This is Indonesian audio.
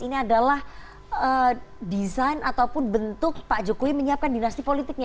ini adalah design atau pun bentuk pak jokowi menyiapkan dinasti politiknya